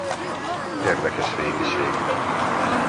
Érdekes régiség!